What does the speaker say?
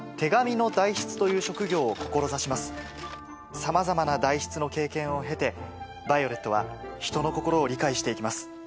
さまざまな代筆の経験を経てヴァイオレットは人の心を理解して行きます。